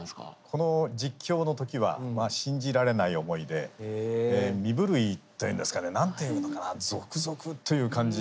この実況の時はまあ信じられない思いで身震いっていうんですかね何ていうのかなゾクゾクという感じ。